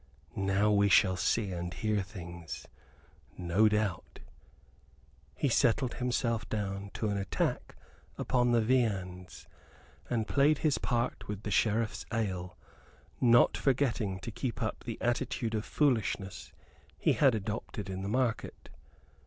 "Now we shall see and hear things, no doubt." He settled himself to an attack upon the viands, and played his part with the Sheriff's ale, not forgetting to keep up the attitude of foolishness he had adopted in the market.